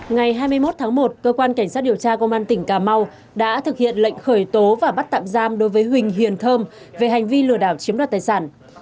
ngày hai mươi một tháng một cơ quan cảnh sát điều tra công an tỉnh cà mau đã thực hiện lệnh khởi tố và bắt tạm giam đối với huỳnh hiền thơm về hành vi lừa đảo chiếm đoạt tài sản